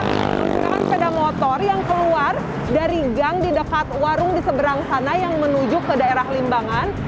kendaraan sepeda motor yang keluar dari gang di dekat warung di seberang sana yang menuju ke daerah limbangan